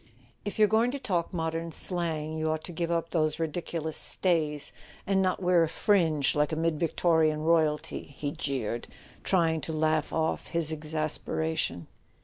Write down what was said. "If you're going to talk modern slang you ought to give up those ridiculous stays, and not wear a fringe like a mid Victorian royalty," he jeered, trying to laugh off his exasperation.